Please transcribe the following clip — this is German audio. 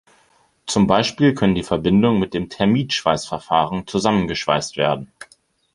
Zum Beispiel können die Verbindungen mit dem Thermit-Schweißverfahren zusammengeschweißt werden.